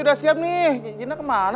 udah gak tahan